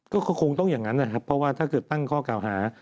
ก็คงต้องอย่างนั้นนะครับเพราะว่าถ้าเกิดตั้งข้อเก่าหา